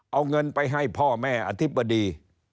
เอาเงินไปให้พ่อแม่อธิบดี